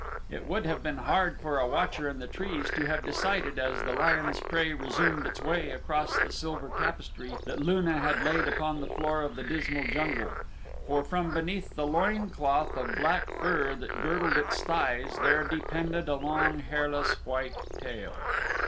It would have been hard for a watcher in the trees to have decided as the lion's prey resumed its way across the silver tapestry that Luna had laid upon the floor of the dismal jungle, for from beneath the loin cloth of black fur that girdled its thighs there depended a long hairless, white tail.